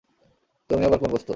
তুমি আবার কোন বস্তু?